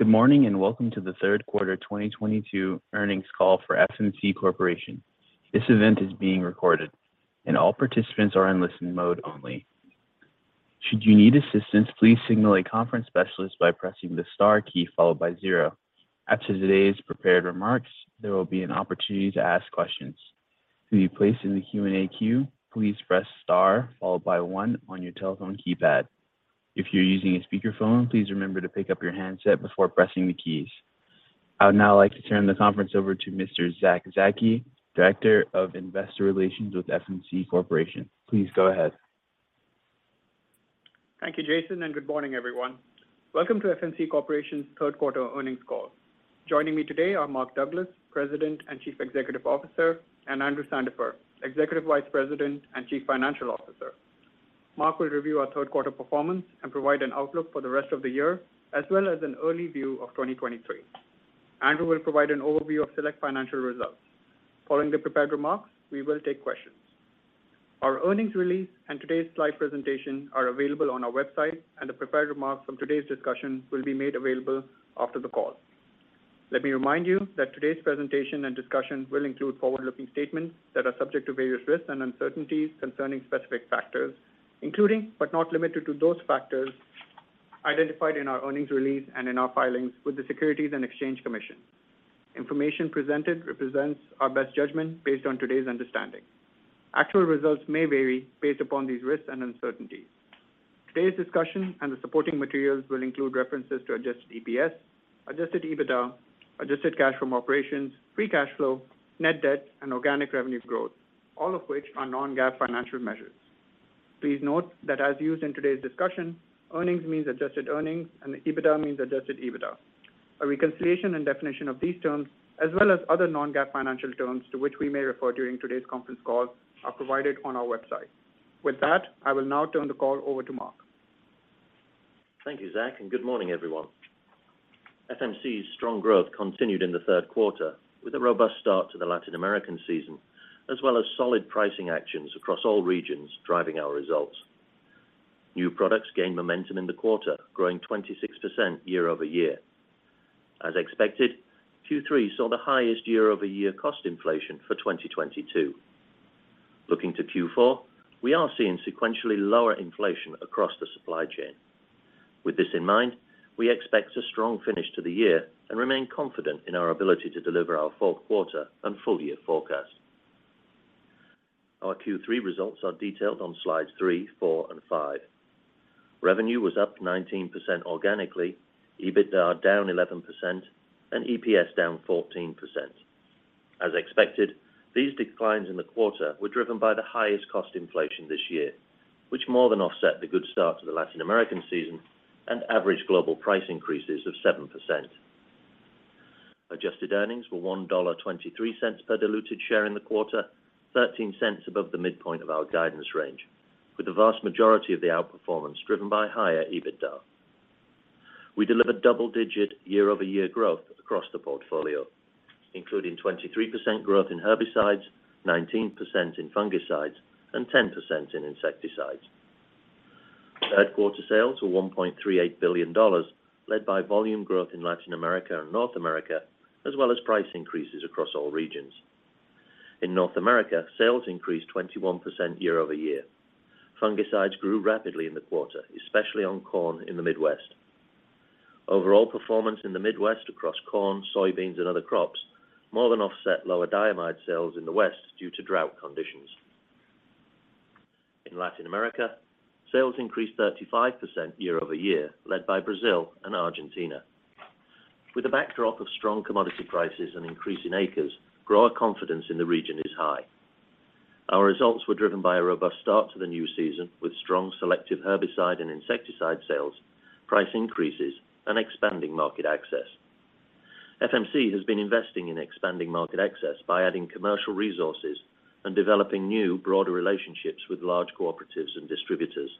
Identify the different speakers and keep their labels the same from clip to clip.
Speaker 1: Good morning, and welcome to the third quarter 2022 earnings call for FMC Corporation. This event is being recorded, and all participants are in listen mode only. Should you need assistance, please signal a conference specialist by pressing the star key followed by zero. After today's prepared remarks, there will be an opportunity to ask questions. To be placed in the Q&A queue, please press star followed by one on your telephone keypad. If you're using a speakerphone, please remember to pick up your handset before pressing the keys. I would now like to turn the conference over to Mr. Zack Zaki, Director of Investor Relations with FMC Corporation. Please go ahead.
Speaker 2: Thank you, Jason, and good morning, everyone. Welcome to FMC Corporation's third quarter earnings call. Joining me today are Mark Douglas, President and Chief Executive Officer, and Andrew Sandifer, Executive Vice President and Chief Financial Officer. Mark will review our third quarter performance and provide an outlook for the rest of the year, as well as an early view of 2023. Andrew will provide an overview of select financial results. Following the prepared remarks, we will take questions. Our earnings release and today's slide presentation are available on our website, and the prepared remarks from today's discussion will be made available after the call. Let me remind you that today's presentation and discussion will include forward-looking statements that are subject to various risks and uncertainties concerning specific factors, including, but not limited to those factors identified in our earnings release and in our filings with the Securities and Exchange Commission. Information presented represents our best judgment based on today's understanding. Actual results may vary based upon these risks and uncertainties. Today's discussion and the supporting materials will include references to adjusted EPS, adjusted EBITDA, adjusted cash from operations, free cash flow, net debt, and organic revenue growth, all of which are non-GAAP financial measures. Please note that as used in today's discussion, earnings means adjusted earnings and EBITDA means adjusted EBITDA. A reconciliation and definition of these terms, as well as other non-GAAP financial terms to which we may refer during today's conference call, are provided on our website. With that, I will now turn the call over to Mark.
Speaker 3: Thank you, Zack, and good morning, everyone. FMC's strong growth continued in the third quarter with a robust start to the Latin American season, as well as solid pricing actions across all regions driving our results. New products gained momentum in the quarter, growing 26% year-over-year. As expected, Q3 saw the highest year-over-year cost inflation for 2022. Looking to Q4, we are seeing sequentially lower inflation across the supply chain. With this in mind, we expect a strong finish to the year and remain confident in our ability to deliver our fourth quarter and full-year forecast. Our Q3 results are detailed on slides three, four, and five. Revenue was up 19% organically, EBITDA down 11%, and EPS down 14%. As expected, these declines in the quarter were driven by the highest cost inflation this year, which more than offset the good start to the Latin American season and average global price increases of 7%. Adjusted earnings were $1.23 per diluted share in the quarter, $0.13 above the midpoint of our guidance range, with the vast majority of the outperformance driven by higher EBITDA. We delivered double-digit year-over-year growth across the portfolio, including 23% growth in herbicides, 19% in fungicides, and 10% in insecticides. Third quarter sales were $1.38 billion, led by volume growth in Latin America and North America, as well as price increases across all regions. In North America, sales increased 21% year over year. Fungicides grew rapidly in the quarter, especially on corn in the Midwest. Overall performance in the Midwest across corn, soybeans, and other crops more than offset lower diamide sales in the West due to drought conditions. In Latin America, sales increased 35% year-over-year, led by Brazil and Argentina. With a backdrop of strong commodity prices and increase in acres, grower confidence in the region is high. Our results were driven by a robust start to the new season with strong selective herbicide and insecticide sales, price increases, and expanding market access. FMC has been investing in expanding market access by adding commercial resources and developing new, broader relationships with large cooperatives and distributors.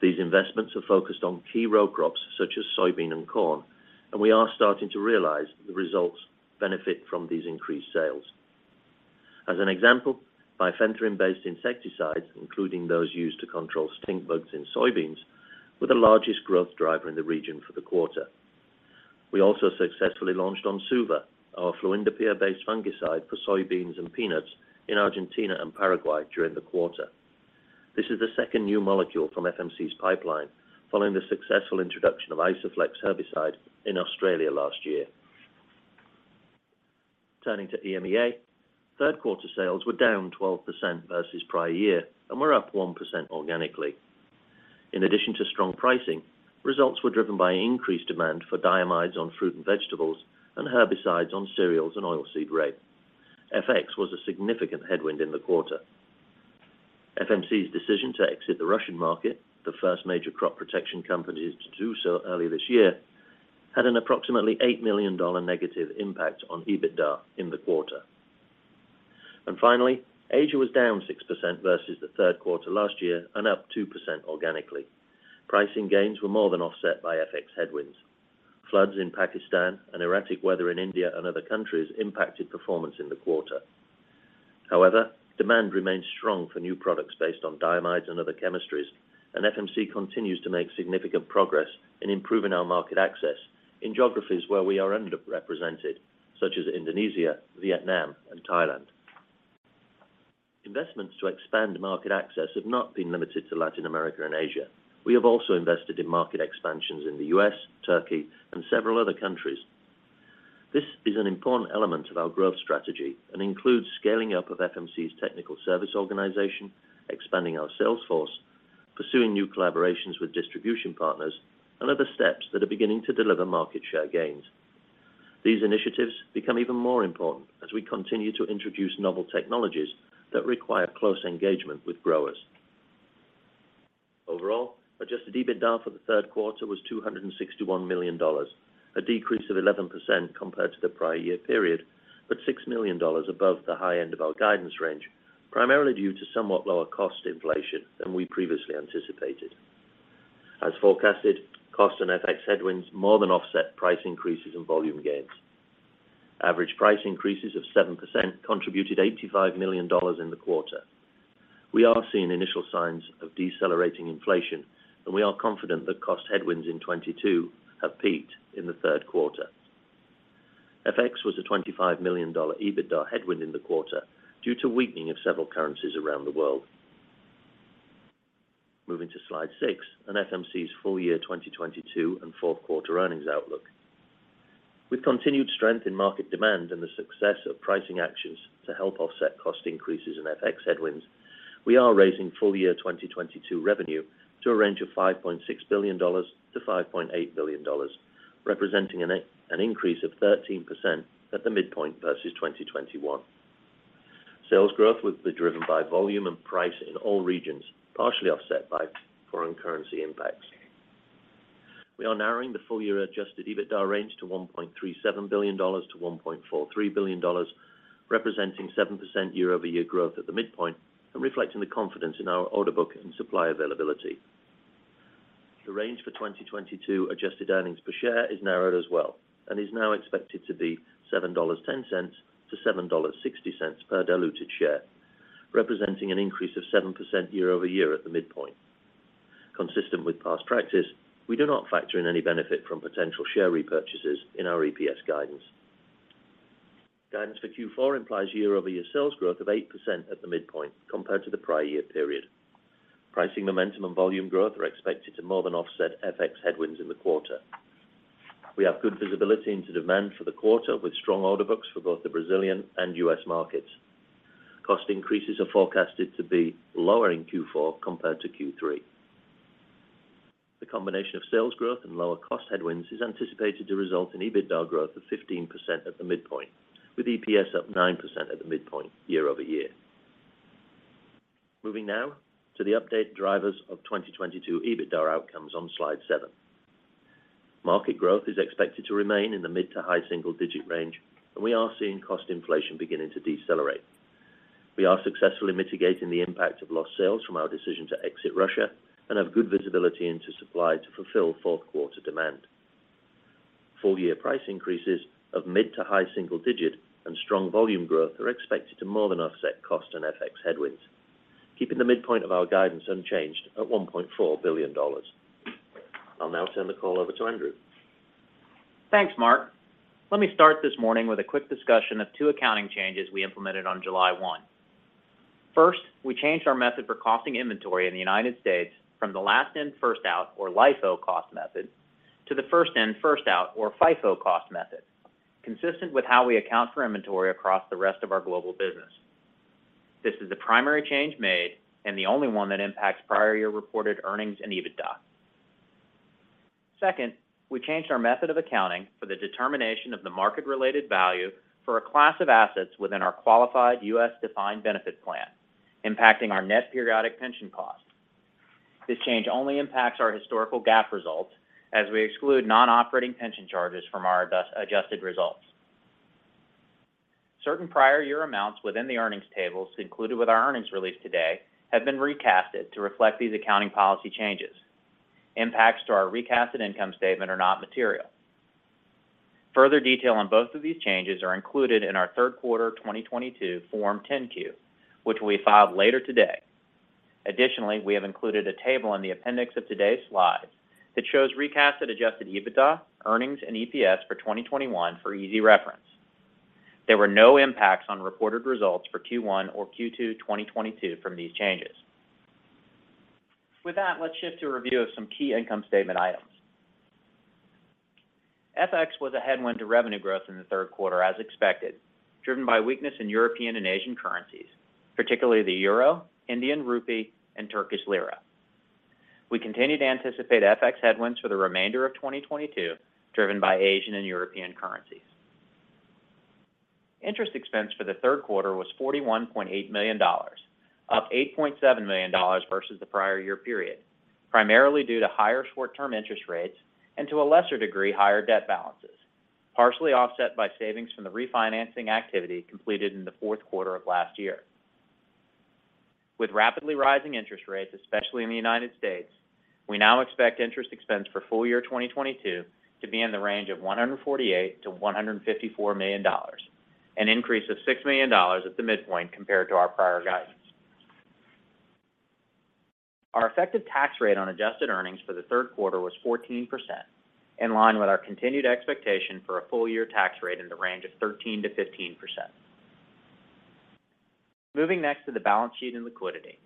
Speaker 3: These investments are focused on key row crops such as soybean and corn, and we are starting to realize the benefits from these increased sales. As an example, bifenthrin-based insecticides, including those used to control stink bugs in soybeans, were the largest growth driver in the region for the quarter. We also successfully launched Onsuva, our fluindapyr-based fungicide for soybeans and peanuts in Argentina and Paraguay during the quarter. This is the second new molecule from FMC's pipeline following the successful introduction of Isoflex herbicide in Australia last year. Turning to EMEA, third quarter sales were down 12% versus prior year and were up 1% organically. In addition to strong pricing, results were driven by increased demand for diamides on fruit and vegetables and herbicides on cereals and oilseed rape. FX was a significant headwind in the quarter. FMC's decision to exit the Russian market, the first major crop protection company to do so earlier this year, had an approximately $8 million negative impact on EBITDA in the quarter. Finally, Asia was down 6% versus the third quarter last year and up 2% organically. Pricing gains were more than offset by FX headwinds. Floods in Pakistan and erratic weather in India and other countries impacted performance in the quarter. However, demand remains strong for new products based on diamides and other chemistries, and FMC continues to make significant progress in improving our market access in geographies where we are underrepresented, such as Indonesia, Vietnam, and Thailand. Investments to expand market access have not been limited to Latin America and Asia. We have also invested in market expansions in the U.S., Turkey, and several other countries. This is an important element of our growth strategy and includes scaling up of FMC's technical service organization, expanding our sales force, pursuing new collaborations with distribution partners and other steps that are beginning to deliver market share gains. These initiatives become even more important as we continue to introduce novel technologies that require close engagement with growers. Overall, adjusted EBITDA for the third quarter was $261 million, a decrease of 11% compared to the prior year period, but $6 million above the high end of our guidance range, primarily due to somewhat lower cost inflation than we previously anticipated. As forecasted, cost and FX headwinds more than offset price increases in volume gains. Average price increases of 7% contributed $85 million in the quarter. We are seeing initial signs of decelerating inflation, and we are confident that cost headwinds in 2022 have peaked in the third quarter. FX was a $25 million EBITDA headwind in the quarter due to weakening of several currencies around the world. Moving to slide six on FMC's full year 2022 and fourth quarter earnings outlook. With continued strength in market demand and the success of pricing actions to help offset cost increases in FX headwinds, we are raising full year 2022 revenue to a range of $5.6 billion-$5.8 billion, representing an increase of 13% at the midpoint versus 2021. Sales growth will be driven by volume and price in all regions, partially offset by foreign currency impacts. We are narrowing the full year adjusted EBITDA range to $1.37 billion-$1.43 billion, representing 7% year-over-year growth at the midpoint and reflecting the confidence in our order book and supply availability. The range for 2022 adjusted earnings per share is narrowed as well and is now expected to be $7.10-$7.60 per diluted share, representing an increase of 7% year-over-year at the midpoint. Consistent with past practice, we do not factor in any benefit from potential share repurchases in our EPS guidance. Guidance for Q4 implies year-over-year sales growth of 8% at the midpoint compared to the prior year period. Pricing momentum and volume growth are expected to more than offset FX headwinds in the quarter. We have good visibility into demand for the quarter with strong order books for both the Brazilian and U.S. markets. Cost increases are forecasted to be lower in Q4 compared to Q3. The combination of sales growth and lower cost headwinds is anticipated to result in EBITDA growth of 15% at the midpoint, with EPS up 9% at the midpoint year-over-year. Moving now to the updated drivers of 2022 EBITDA outcomes on slide seven. Market growth is expected to remain in the mid- to high-single-digit range, and we are seeing cost inflation beginning to decelerate. We are successfully mitigating the impact of lost sales from our decision to exit Russia and have good visibility into supply to fulfill fourth quarter demand. Full year price increases of mid- to high-single-digit and strong volume growth are expected to more than offset cost and FX headwinds, keeping the midpoint of our guidance unchanged at $1.4 billion. I'll now turn the call over to Andrew.
Speaker 4: Thanks, Mark. Let me start this morning with a quick discussion of two accounting changes we implemented on July 1. First, we changed our method for costing inventory in the United States rom the Last In, First Out or LIFO cost method to the First In, First Out or FIFO cost method, consistent with how we account for inventory across the rest of our global business. This is the primary change made and the only one that impacts prior year reported earnings and EBITDA. Second, we changed our method of accounting for the determination of the market-related value for a class of assets within our qualified U.S. defined benefit plan, impacting our net periodic pension cost. This change only impacts our historical GAAP results as we exclude non-operating pension charges from our adjusted results. Certain prior year amounts within the earnings tables included with our earnings release today have been recast to reflect these accounting policy changes. Impacts to our recast income statement are not material. Further detail on both of these changes are included in our third quarter 2022 Form 10-Q, which we filed later today. Additionally, we have included a table in the appendix of today's slides that shows recast adjusted EBITDA, earnings, and EPS for 2021 for easy reference. There were no impacts on reported results for Q1 or Q2 2022 from these changes. With that, let's shift to a review of some key income statement items. FX was a headwind to revenue growth in the third quarter as expected, driven by weakness in European and Asian currencies, particularly the European Euro, Indian Rupee, and Turkish Lira. We continue to anticipate FX headwinds for the remainder of 2022, driven by Asian and European currencies. Interest expense for the third quarter was $41.8 million, up $8.7 million versus the prior year period, primarily due to higher short-term interest rates and to a lesser degree, higher debt balances, partially offset by savings from the refinancing activity completed in the fourth quarter of last year. With rapidly rising interest rates, especially in the United States, we now expect interest expense for full year 2022 to be in the range of $148 million-$154 million, an increase of $6 million at the midpoint compared to our prior guidance. Our effective tax rate on adjusted earnings for the third quarter was 14%, in line with our continued expectation for a full year tax rate in the range of 13%-15%. Moving next to the balance sheet and liquidity.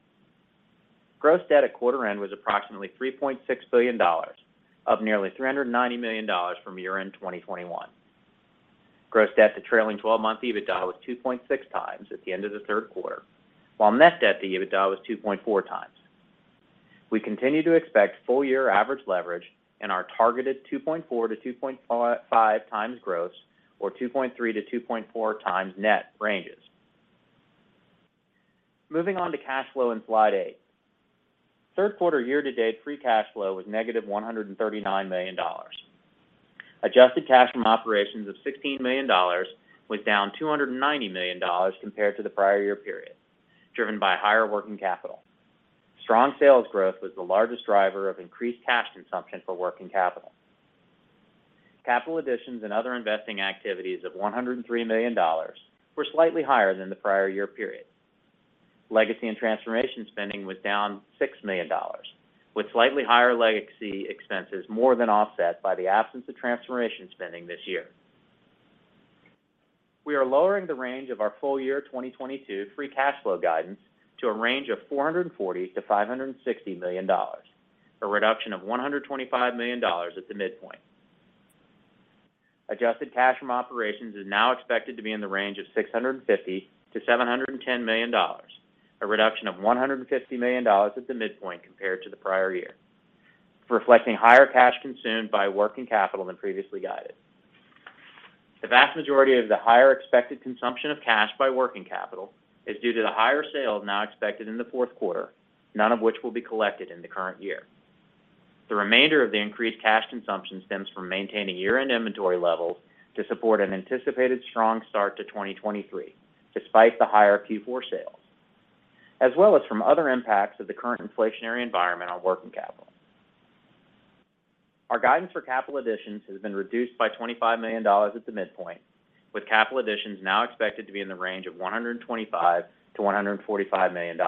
Speaker 4: Gross debt at quarter end was approximately $3.6 billion, up nearly $390 million from year-end 2021. Gross debt to trailing 12-month EBITDA was 2.6x at the end of the third quarter, while net debt-to-EBITDA was 2.4x. We continue to expect full year average leverage in our targeted 2.4x-2.5x gross or 2.3x-2.4x net ranges. Moving on to cash flow in slide eight. Third quarter year-to-date free cash flow was -$139 million. Adjusted cash from operations of $16 million was down $290 million compared to the prior year period, driven by higher working capital. Strong sales growth was the largest driver of increased cash consumption for working capital. Capital additions and other investing activities of $103 million were slightly higher than the prior year period. Legacy and transformation spending was down $6 million, with slightly higher legacy expenses more than offset by the absence of transformation spending this year. We are lowering the range of our full year 2022 free cash flow guidance to a range of $440 million-$560 million, a reduction of $125 million at the midpoint. Adjusted cash from operations is now expected to be in the range of $650 million-$710 million, a reduction of $150 million at the midpoint compared to the prior year, reflecting higher cash consumed by working capital than previously guided. The vast majority of the higher expected consumption of cash by working capital is due to the higher sales now expected in the fourth quarter, none of which will be collected in the current year. The remainder of the increased cash consumption stems from maintaining year-end inventory levels to support an anticipated strong start to 2023, despite the higher Q4 sales, as well as from other impacts of the current inflationary environment on working capital. Our guidance for capital additions has been reduced by $25 million at the midpoint, with capital additions now expected to be in the range of $125 million-$145 million.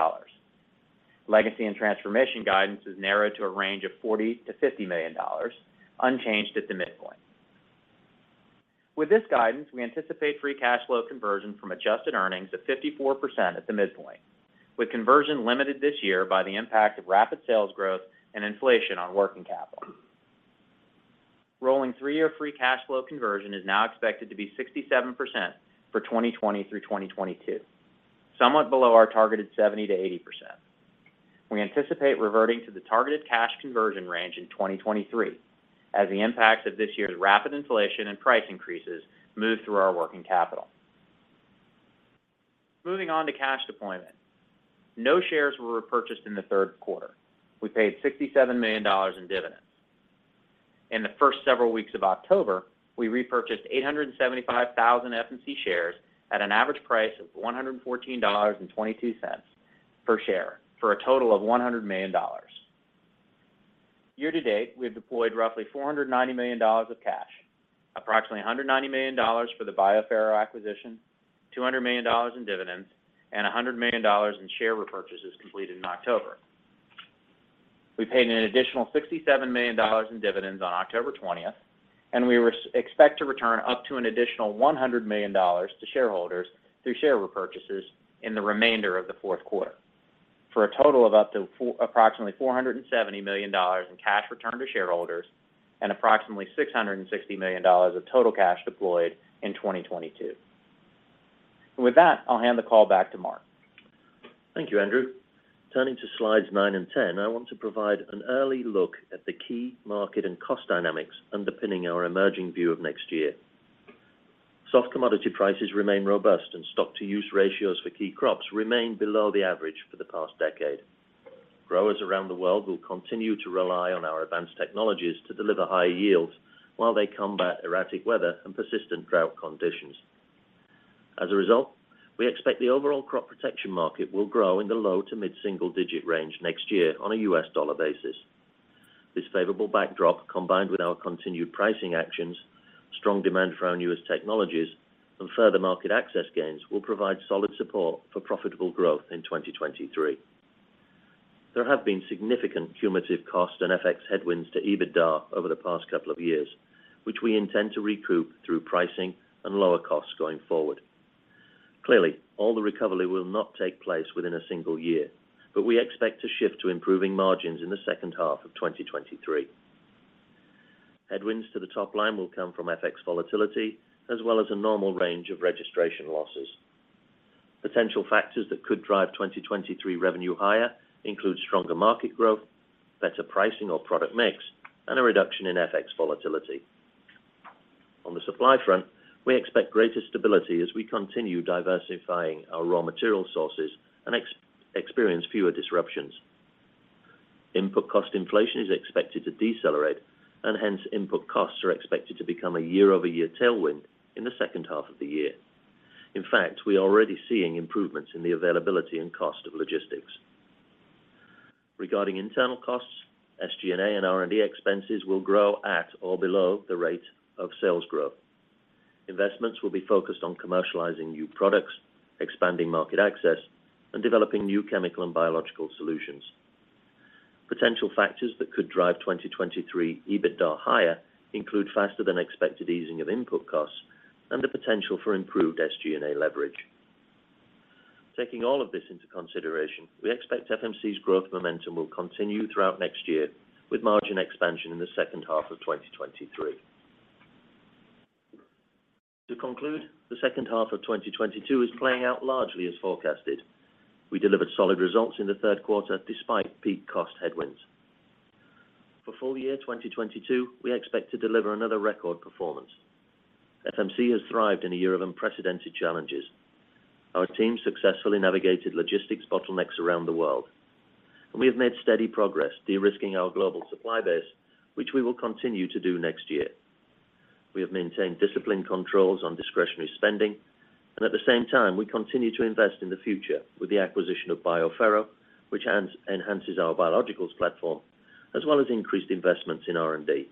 Speaker 4: Legacy and transformation guidance is narrowed to a range of $40 million-$50 million, unchanged at the midpoint. With this guidance, we anticipate free cash flow conversion from adjusted earnings of 54% at the midpoint, with conversion limited this year by the impact of rapid sales growth and inflation on working capital. Rolling three-year free cash flow conversion is now expected to be 67% for 2020 through 2022, somewhat below our targeted 70%-80%. We anticipate reverting to the targeted cash conversion range in 2023 as the impacts of this year's rapid inflation and price increases move through our working capital. Moving on to cash deployment. No shares were repurchased in the third quarter. We paid $67 million in dividends. In the first several weeks of October, we repurchased 875,000 FMC shares at an average price of $114.22 per share for a total of $100 million. Year to date, we have deployed roughly $490 million of cash, approximately $190 million for the BioPhero acquisition, $200 million in dividends, and $100 million in share repurchases completed in October. We paid an additional $67 million in dividends on October 20th, and we expect to return up to an additional $100 million to shareholders through share repurchases in the remainder of the fourth quarter for a total of up to approximately $470 million in cash returned to shareholders and approximately $660 million of total cash deployed in 2022. With that, I'll hand the call back to Mark.
Speaker 3: Thank you, Andrew. Turning to slides nine and 10, I want to provide an early look at the key market and cost dynamics underpinning our emerging view of next year. Soft commodity prices remain robust and stocks-to-use ratio for key crops remain below the average for the past decade. Growers around the world will continue to rely on our advanced technologies to deliver high yields while they combat erratic weather and persistent drought conditions. As a result, we expect the overall crop protection market will grow in the low- to mid-single-digit range next year on a U.S. dollar basis. This favorable backdrop, combined with our continued pricing actions, strong demand for our newest technologies, and further market access gains, will provide solid support for profitable growth in 2023. There have been significant cumulative cost and FX headwinds to EBITDA over the past couple of years, which we intend to recoup through pricing and lower costs going forward. Clearly, all the recovery will not take place within a single year, but we expect to shift to improving margins in the second half of 2023. Headwinds to the top line will come from FX volatility as well as a normal range of registration losses. Potential factors that could drive 2023 revenue higher include stronger market growth, better pricing or product mix, and a reduction in FX volatility. On the supply front, we expect greater stability as we continue diversifying our raw material sources and experience fewer disruptions. Input cost inflation is expected to decelerate and hence input costs are expected to become a year-over-year tailwind in the second half of the year. In fact, we are already seeing improvements in the availability and cost of logistics. Regarding internal costs, SG&A and R&D expenses will grow at or below the rate of sales growth. Investments will be focused on commercializing new products, expanding market access, and developing new chemical and biological solutions. Potential factors that could drive 2023 EBITDA higher include faster than expected easing of input costs and the potential for improved SG&A leverage. Taking all of this into consideration, we expect FMC's growth momentum will continue throughout next year with margin expansion in the second half of 2023. To conclude, the second half of 2022 is playing out largely as forecasted. We delivered solid results in the third quarter despite peak cost headwinds. For full year 2022, we expect to deliver another record performance. FMC has thrived in a year of unprecedented challenges. Our team successfully navigated logistics bottlenecks around the world, and we have made steady progress de-risking our global supply base, which we will continue to do next year. We have maintained disciplined controls on discretionary spending, and at the same time, we continue to invest in the future with the acquisition of BioPhero, which enhances our biologicals platform, as well as increased investments in R&D.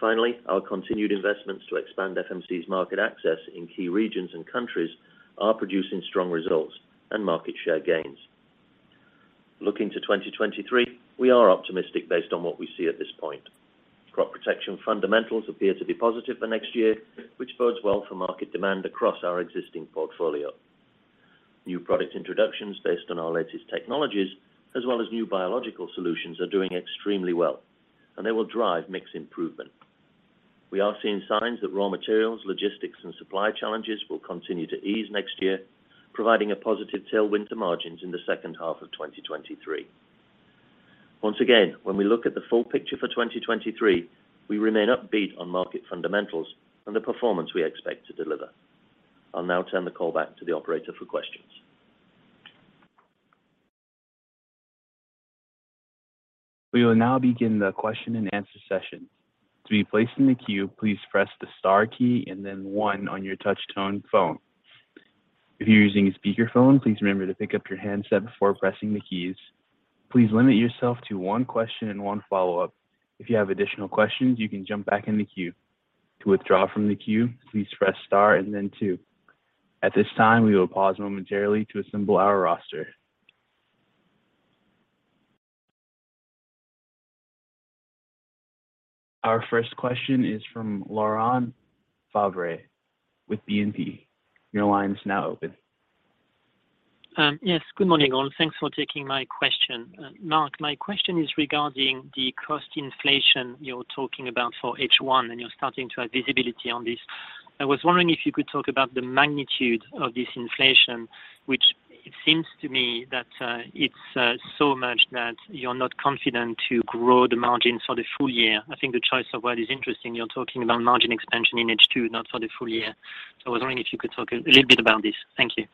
Speaker 3: Finally, our continued investments to expand FMC's market access in key regions and countries are producing strong results and market share gains. Looking to 2023, we are optimistic based on what we see at this point. Crop protection fundamentals appear to be positive for next year, which bodes well for market demand across our existing portfolio. New product introductions based on our latest technologies, as well as new biological solutions are doing extremely well, and they will drive mix improvement. We are seeing signs that raw materials, logistics, and supply challenges will continue to ease next year, providing a positive tailwind to margins in the second half of 2023. Once again, when we look at the full picture for 2023, we remain upbeat on market fundamentals and the performance we expect to deliver. I'll now turn the call back to the operator for questions.
Speaker 1: We will now begin the question-and-answer session. To be placed in the queue, please press the star key and then one on your touch-tone phone. If you're using a speakerphone, please remember to pick up your handset before pressing the keys. Please limit yourself to one question and one follow-up. If you have additional questions, you can jump back in the queue. To withdraw from the queue, please press star and then two. At this time, we will pause momentarily to assemble our roster. Our first question is from Laurent Favre with Exane BNP Paribas. Your line is now open.
Speaker 5: Yes. Good morning, all. Thanks for taking my question. Mark, my question is regarding the cost inflation you're talking about for H1, and you're starting to have visibility on this. I was wondering if you could talk about the magnitude of this inflation, which it seems to me that it's so much that you're not confident to grow the margin for the full year. I think the choice of word is interesting. You're talking about margin expansion in H2, not for the full year. I was wondering if you could talk a little bit about this. Thank you.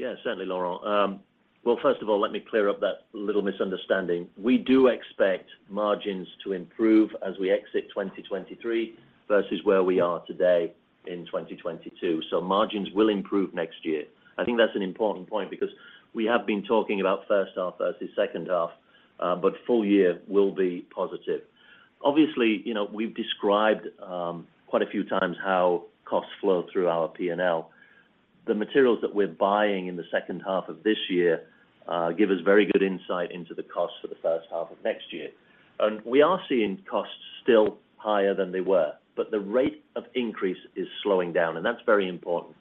Speaker 3: Yeah, certainly, Laurent. Well, first of all, let me clear up that little misunderstanding. We do expect margins to improve as we exit 2023 versus where we are today in 2022. Margins will improve next year. I think that's an important point because we have been talking about first half versus second half, but full year will be positive. Obviously, you know, we've described quite a few times how costs flow through our P&L. The materials that we're buying in the second half of this year give us very good insight into the cost for the first half of next year. We are seeing costs still higher than they were, but the rate of increase is slowing down, and that's very important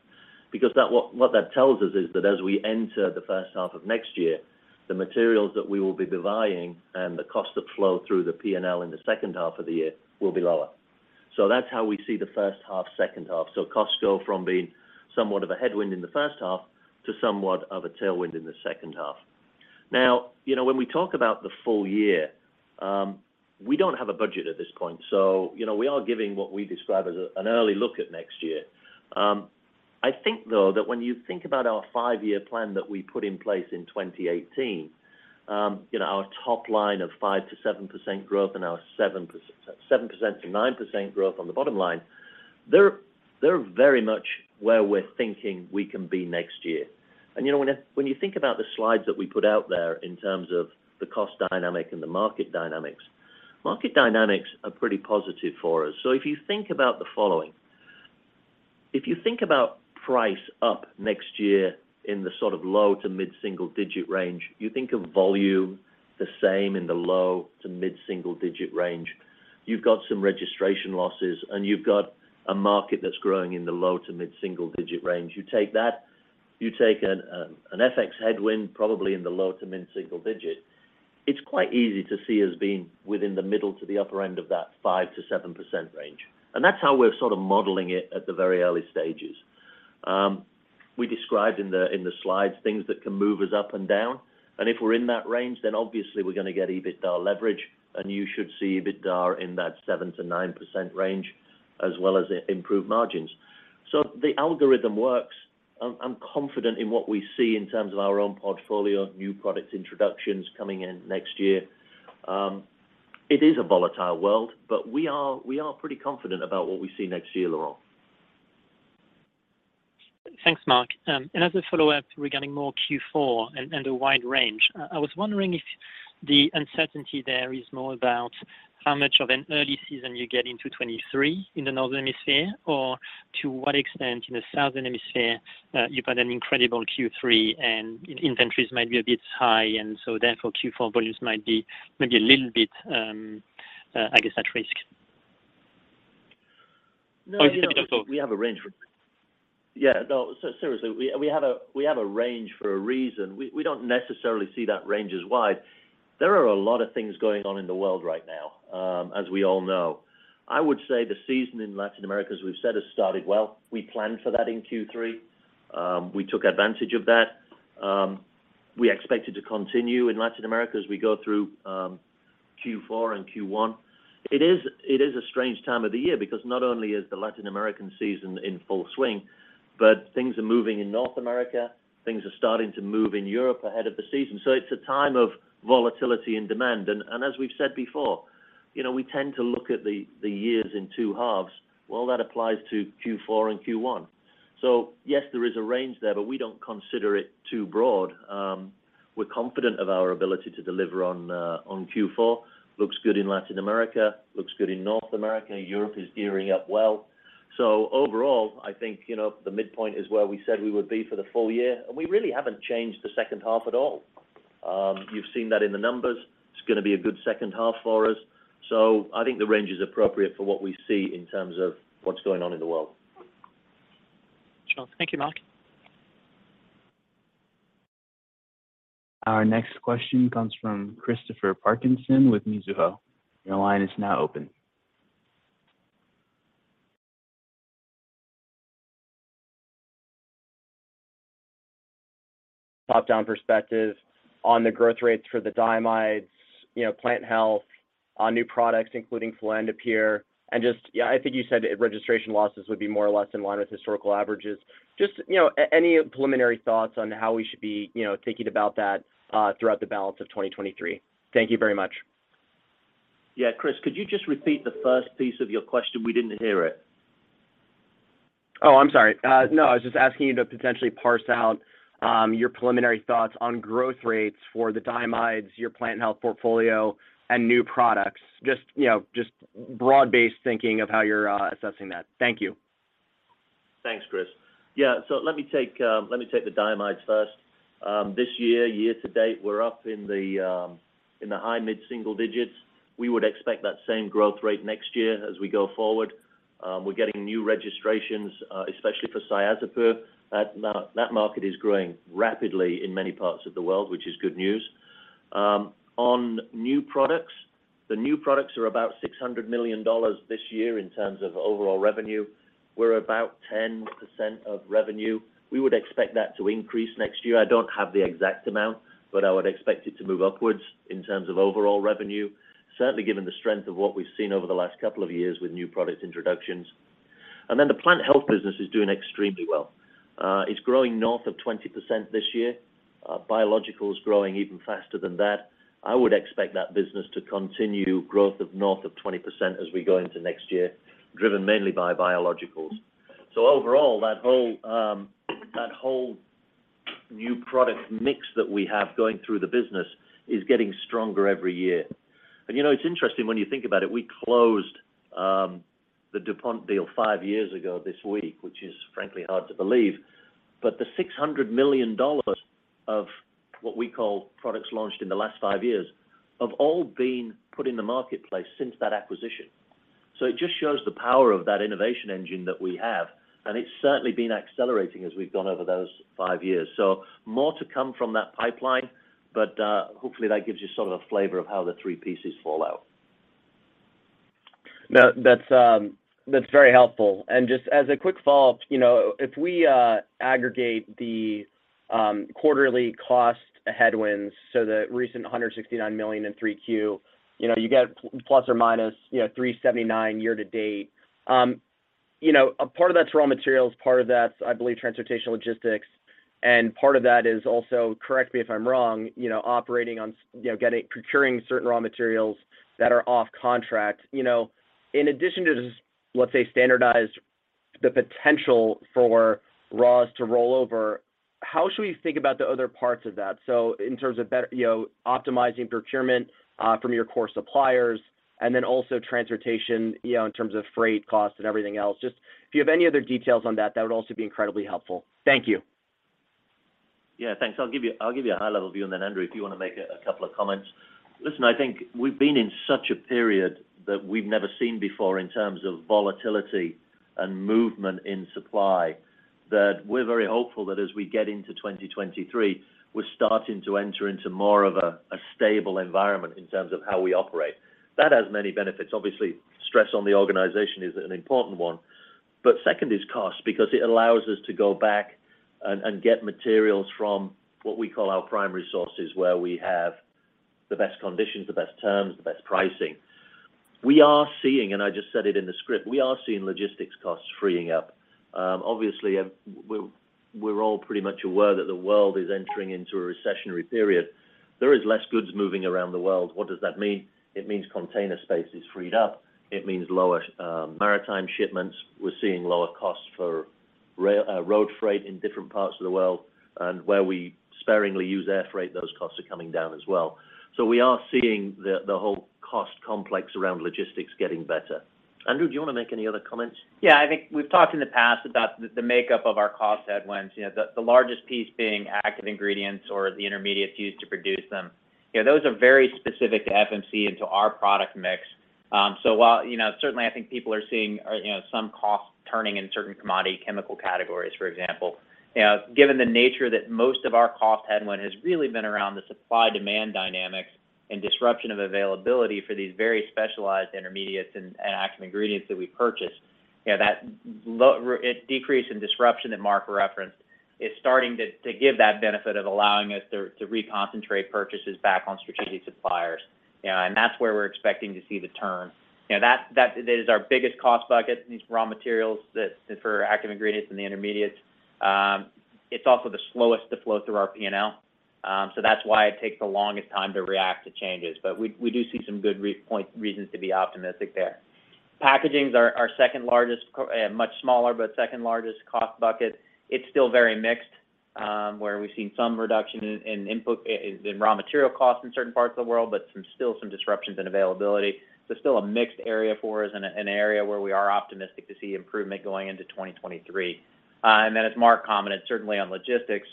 Speaker 3: because that tells us that as we enter the first half of next year, the materials that we will be buying and the cost that flow through the P&L in the second half of the year will be lower. That's how we see the first half, second half. Costs go from being somewhat of a headwind in the first half to somewhat of a tailwind in the second half. Now, you know, when we talk about the full year, we don't have a budget at this point, so, you know, we are giving what we describe as an early look at next year. I think, though, that when you think about our five-year plan that we put in place in 2018, you know, our top line of 5%-7% growth and our 7%-9% growth on the bottom line, they're very much where we're thinking we can be next year. You know, when you think about the slides that we put out there in terms of the cost dynamic and the market dynamics, market dynamics are pretty positive for us. If you think about the following, if you think about price up next year in the sort of low- to mid-single-digit range, you think of volume the same in the low- to mid-single-digit range. You've got some registration losses, and you've got a market that's growing in the low- to mid-single-digit range. You take that, you take an FX headwind, probably in the low to mid single digit. It's quite easy to see as being within the middle to the upper end of that 5%-7% range. That's how we're sort of modeling it at the very early stages. We described in the slides things that can move us up and down. If we're in that range, then obviously we're gonna get EBITDA leverage, and you should see EBITDA in that 7%-9% range as well as improved margins. The algorithm works. I'm confident in what we see in terms of our own portfolio, new product introductions coming in next year. It is a volatile world, but we are pretty confident about what we see next year, Laurent.
Speaker 5: Thanks, Mark. As a follow-up regarding more Q4 and a wide range, I was wondering if the uncertainty there is more about how much of an early season you get into 2023 in the Northern Hemisphere, or to what extent in the Southern Hemisphere you've had an incredible Q3 and inventories might be a bit high and so therefore Q4 volumes might be maybe a little bit, I guess at risk?
Speaker 3: No, we don't.
Speaker 5: If you think it's okay?
Speaker 3: We have a range for a reason. We don't necessarily see that range as wide. There are a lot of things going on in the world right now, as we all know. I would say the season in Latin America, as we've said, has started well. We planned for that in Q3. We took advantage of that. We expect it to continue in Latin America as we go through Q4 and Q1. It is a strange time of the year because not only is the Latin American season in full swing, but things are moving in North America, things are starting to move in Europe ahead of the season. It's a time of volatility and demand. As we've said before, you know, we tend to look at the years in two halves. Well, that applies to Q4 and Q1. Yes, there is a range there, but we don't consider it too broad. We're confident of our ability to deliver on Q4. Looks good in Latin America, looks good in North America. Europe is gearing up well. Overall, I think, you know, the midpoint is where we said we would be for the full year, and we really haven't changed the second half at all. You've seen that in the numbers. It's gonna be a good second half for us. I think the range is appropriate for what we see in terms of what's going on in the world.
Speaker 5: Sure. Thank you, Mark.
Speaker 1: Our next question comes from Christopher Parkinson with Mizuho. Your line is now open.
Speaker 6: Top-down perspective on the growth rates for the diamides, you know, plant health, on new products, including fluindapyr, and just, yeah, I think you said registration losses would be more or less in line with historical averages. Just, you know, any preliminary thoughts on how we should be, you know, thinking about that throughout the balance of 2023. Thank you very much.
Speaker 3: Yeah. Chris, could you just repeat the first piece of your question? We didn't hear it.
Speaker 6: Oh, I'm sorry. No, I was just asking you to potentially parse out your preliminary thoughts on growth rates for the diamides, your plant health portfolio and new products. Just, you know, just broad-based thinking of how you're assessing that. Thank you.
Speaker 3: Thanks, Chris. Yeah. Let me take the diamides first. This year to date, we're up in the high mid-single digits. We would expect that same growth rate next year as we go forward. We're getting new registrations, especially for Cyazypyr. That market is growing rapidly in many parts of the world, which is good news. On new products, the new products are about $600 million this year in terms of overall revenue. We're about 10% of revenue. We would expect that to increase next year. I don't have the exact amount, but I would expect it to move upwards in terms of overall revenue, certainly given the strength of what we've seen over the last couple of years with new product introductions. The plant health business is doing extremely well. It's growing north of 20% this year. Biologicals is growing even faster than that. I would expect that business to continue growth of north of 20% as we go into next year, driven mainly by biologicals. Overall, that whole new product mix that we have going through the business is getting stronger every year. You know, it's interesting when you think about it. We closed the DuPont deal five years ago this week, which is frankly hard to believe. The $600 million of what we call products launched in the last five years have all been put in the marketplace since that acquisition. It just shows the power of that innovation engine that we have, and it's certainly been accelerating as we've gone over those five years. More to come from that pipeline, but hopefully that gives you sort of a flavor of how the three pieces fall out.
Speaker 6: No, that's very helpful. Just as a quick follow-up, you know, if we aggregate the quarterly cost headwinds, the recent $169 million in 3Q, you know, you get plus or minus, you know, $379 million year to date. You know, a part of that's raw materials, part of that's, I believe, transportation logistics, and part of that is also, correct me if I'm wrong, you know, procuring certain raw materials that are off contract. You know, in addition to just, let's say, standard is the potential for raws to roll over, how should we think about the other parts of that? In terms of better optimizing procurement from your core suppliers and then also transportation, you know, in terms of freight costs and everything else. Just if you have any other details on that would also be incredibly helpful. Thank you.
Speaker 3: Yeah, thanks. I'll give you a high-level view, and then Andrew, if you wanna make a couple of comments. Listen, I think we've been in such a period that we've never seen before in terms of volatility and movement in supply, that we're very hopeful that as we get into 2023, we're starting to enter into more of a stable environment in terms of how we operate. That has many benefits. Obviously, stress on the organization is an important one. But second is cost because it allows us to go back and get materials from what we call our primary sources, where we have the best conditions, the best terms, the best pricing. We are seeing, and I just said it in the script, we are seeing logistics costs freeing up. Obviously, we're all pretty much aware that the world is entering into a recessionary period. There is less goods moving around the world. What does that mean? It means container space is freed up. It means lower maritime shipments. We're seeing lower costs for road freight in different parts of the world. Where we sparingly use air freight, those costs are coming down as well. We are seeing the whole cost complex around logistics getting better. Andrew, do you wanna make any other comments?
Speaker 4: Yeah, I think we've talked in the past about the makeup of our cost headwinds. You know, the largest piece being active ingredients or the intermediates used to produce them. You know, those are very specific to FMC and to our product mix. While, you know, certainly I think people are seeing, you know, some costs turning in certain commodity chemical categories, for example. You know, given the nature that most of our cost headwind has really been around the supply-demand dynamics and disruption of availability for these very specialized intermediates and active ingredients that we purchase. You know, that decrease in disruption that Mark referenced is starting to give that benefit of allowing us to reconcentrate purchases back on strategic suppliers. You know, and that's where we're expecting to see the turn. You know, that is our biggest cost bucket, these raw materials for active ingredients and the intermediates. It's also the slowest to flow through our P&L. So that's why it takes the longest time to react to changes. But we do see some good reasons to be optimistic there. Packaging's our second largest, much smaller, but second largest cost bucket. It's still very mixed, where we've seen some reduction in input raw material costs in certain parts of the world, but still some disruptions in availability. Still a mixed area for us and an area where we are optimistic to see improvement going into 2023. As Mark commented, certainly on logistics,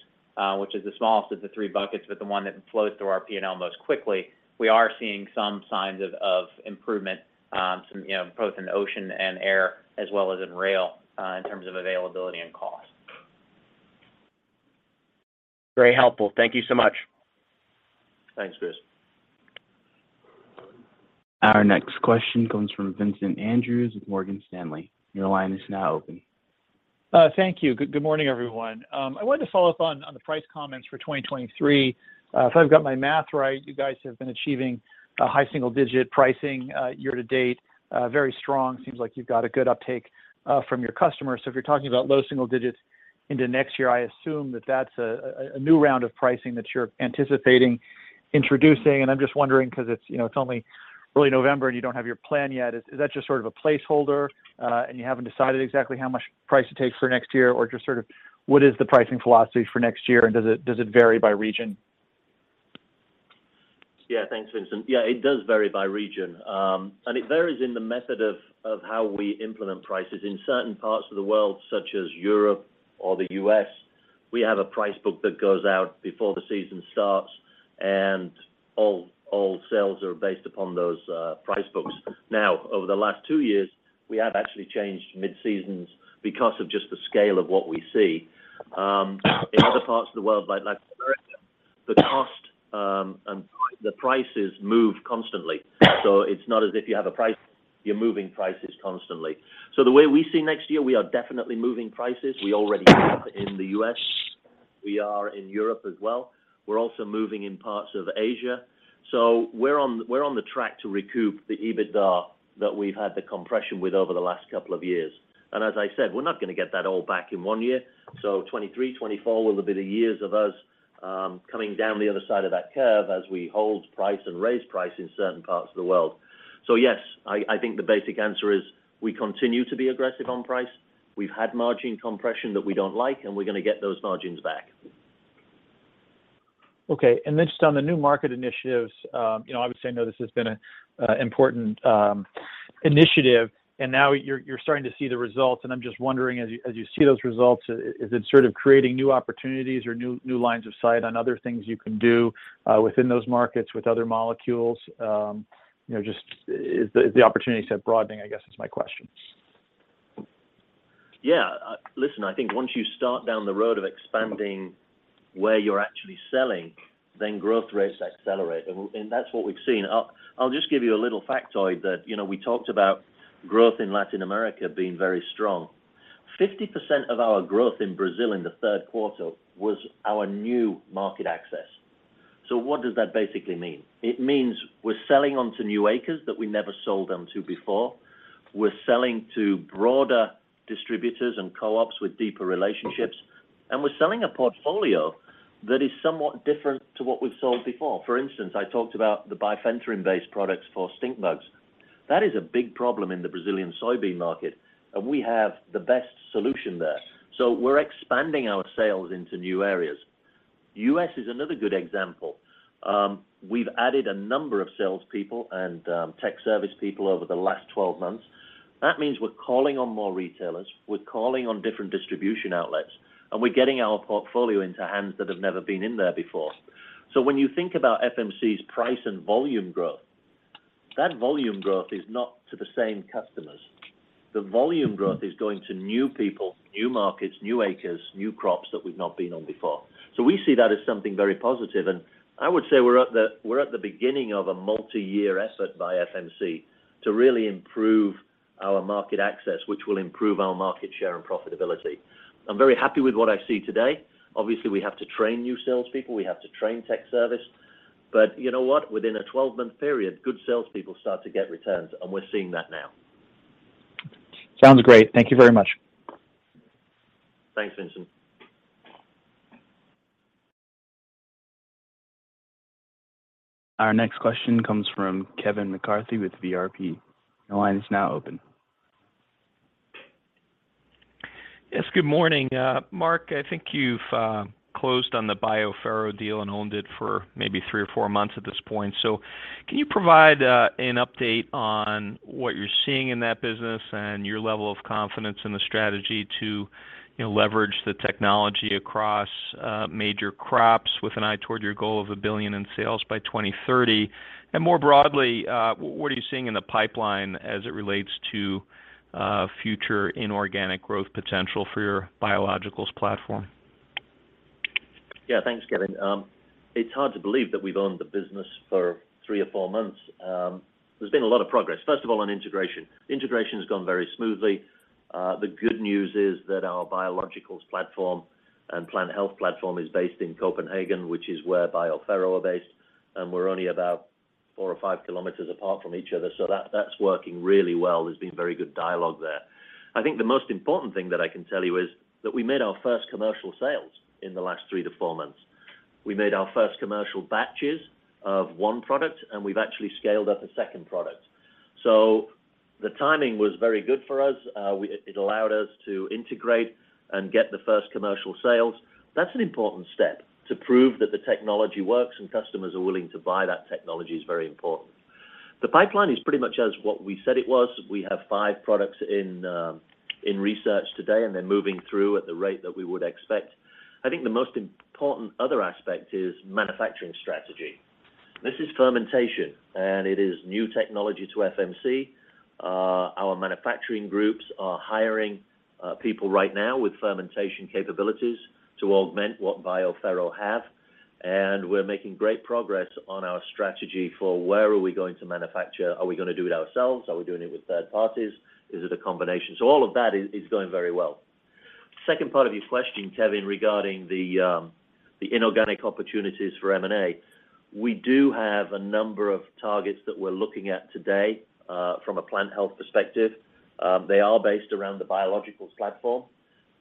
Speaker 4: which is the smallest of the three buckets, but the one that flows through our P&L most quickly. We are seeing some signs of improvement, you know, both in ocean and air as well as in rail, in terms of availability and cost.
Speaker 6: Very helpful. Thank you so much.
Speaker 3: Thanks, Chris.
Speaker 1: Our next question comes from Vincent Andrews with Morgan Stanley. Your line is now open.
Speaker 7: Thank you. Good morning, everyone. I wanted to follow up on the price comments for 2023. If I've got my math right, you guys have been achieving high single-digit pricing year to date. Very strong. Seems like you've got a good uptake from your customers. If you're talking about low single digits into next year, I assume that's a new round of pricing that you're anticipating introducing. I'm just wondering because it's, you know, it's only early November, and you don't have your plan yet. Is that just sort of a placeholder, and you haven't decided exactly how much price to take for next year? Just sort of what is the pricing philosophy for next year, and does it vary by region?
Speaker 3: Yeah. Thanks, Vincent. Yeah, it does vary by region, and it varies in the method of how we implement prices. In certain parts of the world, such as Europe or the U.S., we have a price book that goes out before the season starts, and all sales are based upon those price books. Now, over the last two years, we have actually changed mid-seasons because of just the scale of what we see. In other parts of the world, like Latin America, the cost and the prices move constantly. It's not as if you have a price, you're moving prices constantly. The way we see next year, we are definitely moving prices. We already have in the U.S. We are in Europe as well. We're also moving in parts of Asia. We're on the track to recoup the EBITDA that we've had the compression with over the last couple of years. As I said, we're not gonna get that all back in one year. 2023, 2024 will be the years of us coming down the other side of that curve as we hold price and raise price in certain parts of the world. Yes, I think the basic answer is we continue to be aggressive on price. We've had margin compression that we don't like, and we're gonna get those margins back.
Speaker 7: Okay. Just on the new market initiatives, you know, obviously I know this has been an important initiative, and now you're starting to see the results, and I'm just wondering as you see those results, is it sort of creating new opportunities or new lines of sight on other things you can do within those markets with other molecules? You know, just is the opportunity set broadening, I guess is my question.
Speaker 3: Yeah. Listen, I think once you start down the road of expanding where you're actually selling, then growth rates accelerate. And that's what we've seen. I'll just give you a little factoid that, you know, we talked about growth in Latin America being very strong. 50% of our growth in Brazil in the third quarter was our new market access. So what does that basically mean? It means we're selling onto new acres that we never sold them to before. We're selling to broader distributors and co-ops with deeper relationships. And we're selling a portfolio that is somewhat different to what we've sold before. For instance, I talked about the bifenthrin-based products for stink bugs. That is a big problem in the Brazilian soybean market, and we have the best solution there. So we're expanding our sales into new areas. U.S. is another good example. We've added a number of salespeople and tech service people over the last 12 months. That means we're calling on more retailers, we're calling on different distribution outlets, and we're getting our portfolio into hands that have never been in there before. When you think about FMC's price and volume growth, that volume growth is not to the same customers. The volume growth is going to new people, new markets, new acres, new crops that we've not been on before. We see that as something very positive. I would say we're at the beginning of a multi-year effort by FMC to really improve our market access, which will improve our market share and profitability. I'm very happy with what I see today. Obviously, we have to train new salespeople, we have to train tech service. You know what? Within a 12-month period, good salespeople start to get returns, and we're seeing that now.
Speaker 7: Sounds great. Thank you very much.
Speaker 3: Thanks, Vincent.
Speaker 1: Our next question comes from Kevin McCarthy with Vertical Research Partners. Your line is now open.
Speaker 8: Yes, good morning. Mark, I think you've closed on the BioPhero deal and owned it for maybe three or four months at this point. Can you provide an update on what you're seeing in that business and your level of confidence in the strategy to, you know, leverage the technology across major crops with an eye toward your goal of $1 billion in sales by 2030? More broadly, what are you seeing in the pipeline as it relates to future inorganic growth potential for your biologicals platform?
Speaker 3: Yeah, thanks, Kevin. It's hard to believe that we've owned the business for three or four months. There's been a lot of progress. First of all, on integration. Integration has gone very smoothly. The good news is that our biologicals platform and plant health platform is based in Copenhagen, which is where BioPhero are based. We're only about four or five kilometers apart from each other. That that's working really well. There's been very good dialogue there. I think the most important thing that I can tell you is that we made our first commercial sales in the last three to four months. We made our first commercial batches of one product, and we've actually scaled up a second product. The timing was very good for us. It allowed us to integrate and get the first commercial sales. That's an important step to prove that the technology works and customers are willing to buy. That technology is very important. The pipeline is pretty much as what we said it was. We have five products in research today and they're moving through at the rate that we would expect. I think the most important other aspect is manufacturing strategy. This is fermentation, and it is new technology to FMC. Our manufacturing groups are hiring people right now with fermentation capabilities to augment what BioPhero have. We're making great progress on our strategy for where are we going to manufacture. Are we gonna do it ourselves? Are we doing it with third parties? Is it a combination? All of that is going very well. Second part of your question, Kevin, regarding the inorganic opportunities for M&A. We do have a number of targets that we're looking at today from a plant health perspective. They are based around the biologicals platform.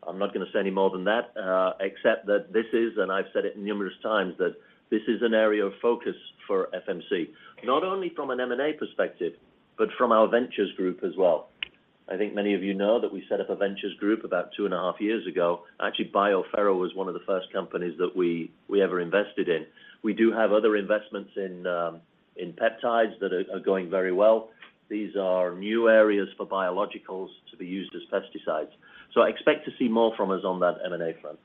Speaker 3: I'm not gonna say any more than that, except that this is, and I've said it numerous times, that this is an area of focus for FMC. Not only from an M&A perspective, but from our ventures group as well. I think many of you know that we set up a ventures group about two and a half years ago. Actually, BioPhero was one of the first companies that we ever invested in. We do have other investments in peptides that are going very well. These are new areas for biologicals to be used as pesticides. Expect to see more from us on that M&A front.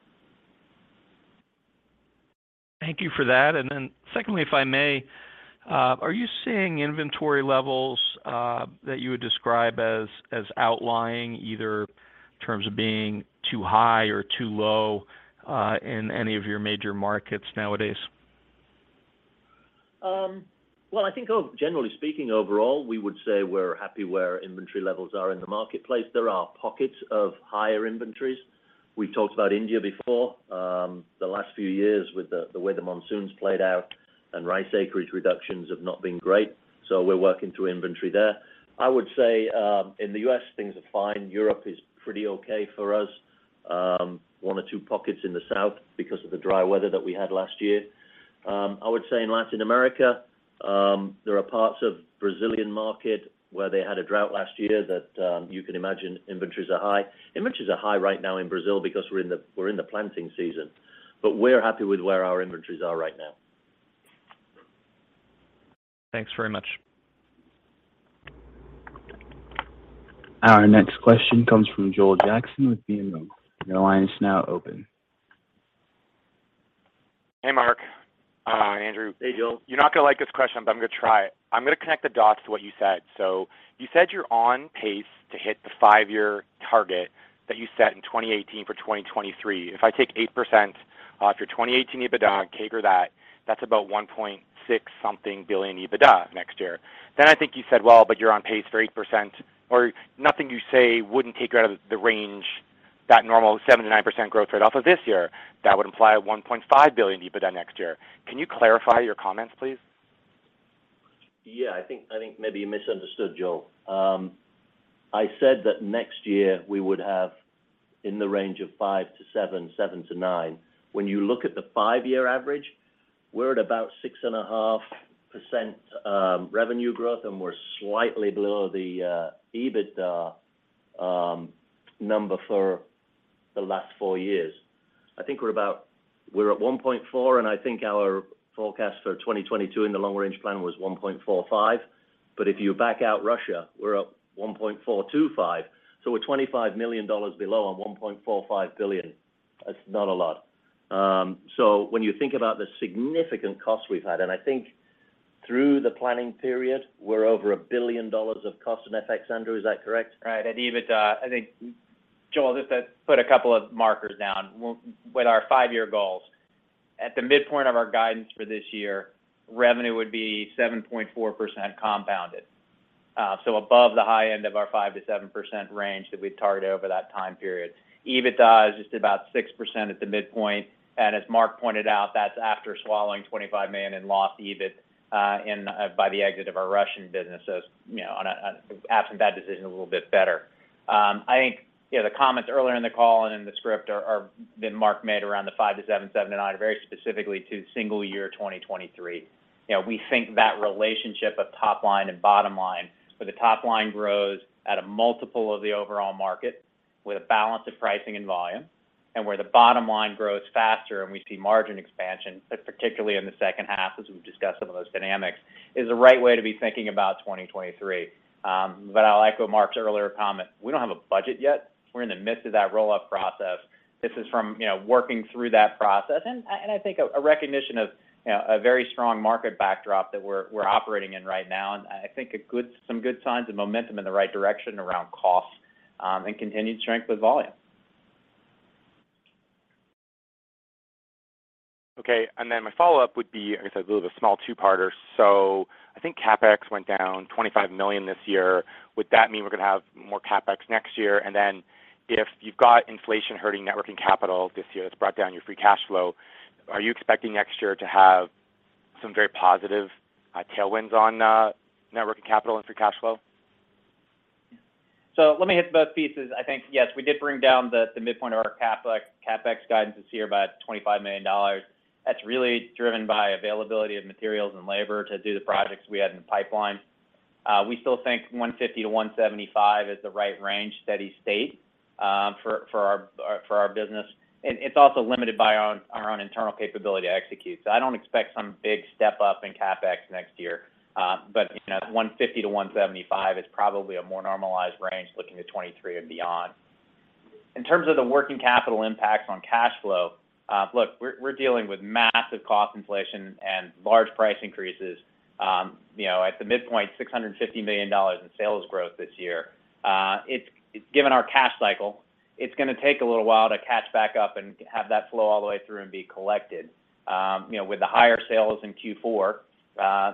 Speaker 8: Thank you for that. Secondly, if I may, are you seeing inventory levels that you would describe as outlying, either in terms of being too high or too low in any of your major markets nowadays?
Speaker 3: Well, I think generally speaking, overall, we would say we're happy where inventory levels are in the marketplace. There are pockets of higher inventories. We've talked about India before, the last few years with the way the monsoons played out and rice acreage reductions have not been great. So we're working through inventory there. I would say, in the U.S., things are fine. Europe is pretty okay for us. One or two pockets in the South because of the dry weather that we had last year. I would say in Latin America, there are parts of Brazilian market where they had a drought last year that, you can imagine inventories are high. Inventories are high right now in Brazil because we're in the planting season. We're happy with where our inventories are right now.
Speaker 8: Thanks very much.
Speaker 1: Our next question comes from Joel Jackson with BMO. Your line is now open.
Speaker 9: Hey, Mark. Hey, Andrew.
Speaker 3: Hey, Joel.
Speaker 9: You're not gonna like this question, but I'm gonna try. I'm gonna connect the dots to what you said. You said you're on pace to hit the five-year target that you set in 2018 for 2023. If I take 8% off your 2018 EBITDA, CAGR that's about approximately $1.6 billion EBITDA next year. I think you said, well, but you're on pace for 8% or nothing you say wouldn't take you out of the range that normal 7%-9% growth rate off of this year. That would imply a $1.5 billion EBITDA next year. Can you clarify your comments, please?
Speaker 3: Yeah, I think maybe you misunderstood, Joel. I said that next year we would have in the range of 5%-7%, 7%-9%. When you look at the five-year average, we're at about 6.5% revenue growth, and we're slightly below the EBITDA number for the last four years. I think we're at $1.4 billion, and I think our forecast for 2022 in the long range plan was $1.45 billion. If you back out Russia, we're up $1.425 billion. We're $25 million below on $1.45 billion. That's not a lot. When you think about the significant cost we've had, and I think through the planning period, we're over $1 billion of cost in FX. Andrew, is that correct?
Speaker 4: Right. At EBITDA, I think, Joel, just to put a couple of markers down with our five-year goals. At the midpoint of our guidance for this year, revenue would be 7.4% compounded. So above the high end of our 5%-7% range that we've targeted over that time period. EBITDA is just about 6% at the midpoint, and as Mark pointed out, that's after swallowing $25 million in lost EBIT by the exit of our Russian business. You know, on absent that decision, a little bit better. I think, you know, the comments earlier in the call and in the script are that Mark made around the 5%-7%, 7%-9% are very specifically to single year 2023. You know, we think that relationship of top line and bottom line, where the top line grows at a multiple of the overall market with a balance of pricing and volume, and where the bottom line grows faster and we see margin expansion, but particularly in the second half as we've discussed some of those dynamics, is the right way to be thinking about 2023. I like what Mark's earlier comment. We don't have a budget yet. We're in the midst of that roll-up process. This is from, you know, working through that process and I think a recognition of a very strong market backdrop that we're operating in right now. I think some good signs of momentum in the right direction around costs and continued strength with volume. Okay.
Speaker 9: My follow-up would be, I guess, a little bit small two-parters. I think CapEx went down $25 million this year. Would that mean we're gonna have more CapEx next year? If you've got inflation hurting working capital this year, that's brought down your free cash flow, are you expecting next year to have some very positive tailwinds on working capital and free cash flow? Let me hit both pieces. I think, yes, we did bring down the midpoint of our CapEx guidance this year by $25 million. That's really driven by availability of materials and labor to do the projects we had in the pipeline. We still think $150 million-$175 million is the right range, steady state, for our business.
Speaker 4: It's also limited by our own internal capability to execute. I don't expect some big step up in CapEx next year. You know, $150 million-$175 million is probably a more normalized range looking to 2023 and beyond. In terms of the working capital impact on cash flow, we're dealing with massive cost inflation and large price increases. You know, at the midpoint, $650 million in sales growth this year. Given our cash cycle, it's gonna take a little while to catch back up and have that flow all the way through and be collected. You know, with the higher sales in Q4,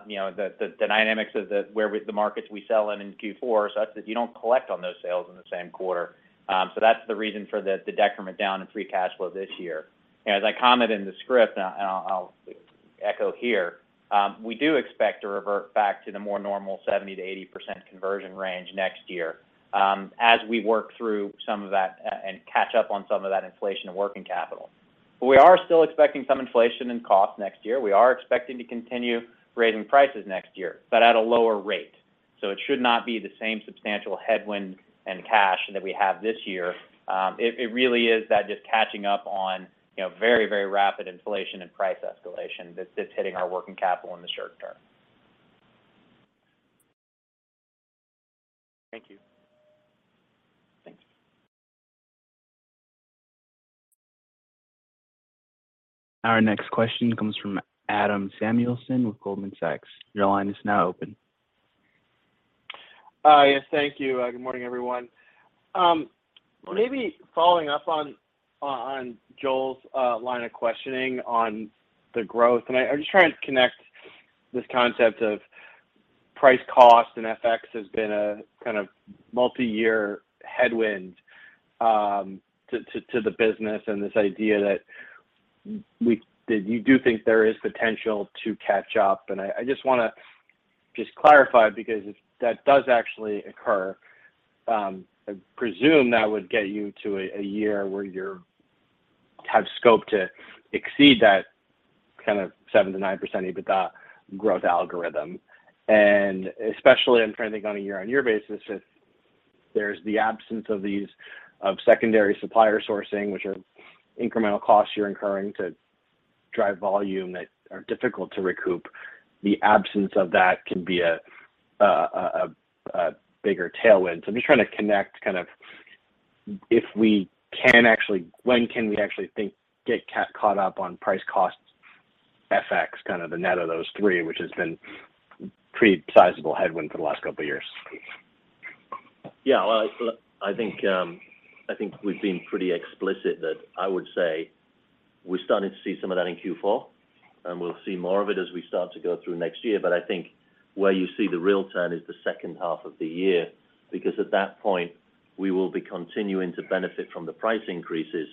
Speaker 4: you know, the dynamics of the markets we sell in in Q4 are such that you don't collect on those sales in the same quarter. That's the reason for the decrement down in free cash flow this year. You know, as I commented in the script, and I'll echo here, we do expect to revert back to the more normal 70%-80% conversion range next year, as we work through some of that and catch up on some of that inflation of working capital. We are still expecting some inflation in cost next year. We are expecting to continue raising prices next year, but at a lower rate. It should not be the same substantial headwind and cash that we have this year. It really is that just catching up on, you know, very rapid inflation and price escalation that's just hitting our working capital in the short term. Thank you. Thanks.
Speaker 1: Our next question comes from Adam Samuelson with Goldman Sachs. Your line is now open.
Speaker 10: Yes, thank you. Good morning, everyone. Maybe following up on Joel's line of questioning on the growth. I'm just trying to connect this concept of price, cost, and FX has been a kind of multi-year headwind to the business and this idea that you do think there is potential to catch up. I just wanna clarify because if that does actually occur, I presume that would get you to a year where you have scope to exceed that kind of 7%-9% EBITDA growth algorithm. Especially, I'm trying to think on a year-on-year basis, if there's the absence of secondary supplier sourcing, which are incremental costs you're incurring to drive volume that are difficult to recoup. The absence of that can be a bigger tailwind. I'm just trying to connect kind of if we can actually, when can we actually think get caught up on price, costs, FX, kind of the net of those three, which has been pretty sizable headwind for the last couple of years.
Speaker 3: Yeah. Well, I think we've been pretty explicit that I would say we're starting to see some of that in Q4, and we'll see more of it as we start to go through next year. I think where you see the real turn is the second half of the year, because at that point, we will be continuing to benefit from the price increases.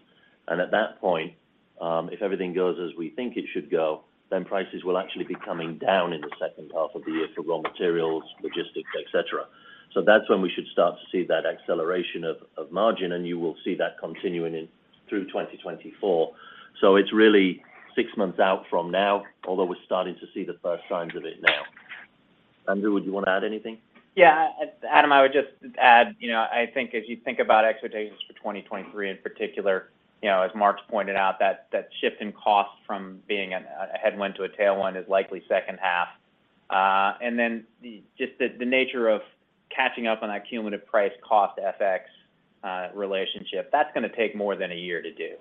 Speaker 3: At that point, if everything goes as we think it should go, then prices will actually be coming down in the second half of the year for raw materials, logistics, et cetera. That's when we should start to see that acceleration of margin, and you will see that continuing through 2024. It's really six months out from now, although we're starting to see the first signs of it now. Andrew, would you wanna add anything?
Speaker 4: Yeah. Adam, I would just add, you know, I think as you think about expectations for 2023 in particular, you know, as Mark pointed out, that shift in cost from being a headwind to a tailwind is likely second half. Just the nature of catching up on that cumulative price cost FX relationship, that's gonna take more than a year to do.